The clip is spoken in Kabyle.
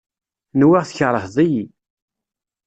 Nwiɣ tkerheḍ-iyi.